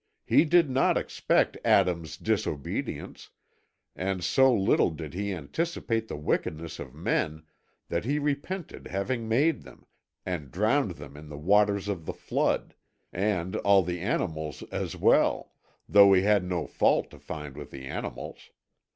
He did not expect Adam's disobedience, and so little did he anticipate the wickedness of men that he repented having made them, and drowned them in the waters of the Flood, and all the animals as well, though he had no fault to find with the animals.